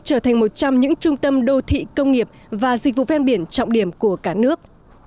trở thành một trong những trung tâm đô thị công nghiệp và dịch vụ ven biển trọng điểm của cả nước